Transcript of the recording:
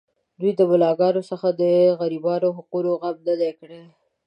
دوی د ملاکانو څخه د غریبانو د حقوقو غم نه دی کړی.